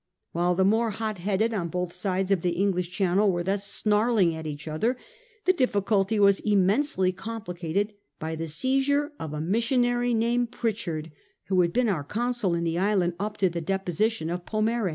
While the more hot headed on both sides of the English Channel were thus snarling at each other, the diffi culty was immensely complicated by the seizure of a missionary named Pritchard, who had been our consul in the island up to the deposition of Pomare.